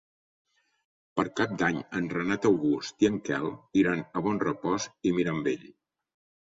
Per Cap d'Any en Renat August i en Quel iran a Bonrepòs i Mirambell.